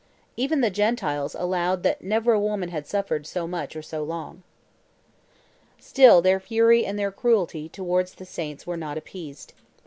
Even the Gentiles allowed that never a woman had suffered so much or so long. "Still their fury and their cruelty towards the saints were not appeased.